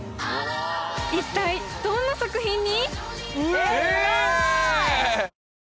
一体どんな作品に？